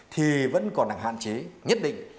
thì vẫn còn hạn chế nhất định